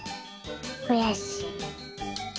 くやしい。